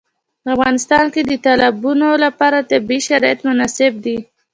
په افغانستان کې د تالابونه لپاره طبیعي شرایط مناسب دي.